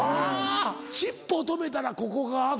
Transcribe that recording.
尻尾を止めたらここが開く。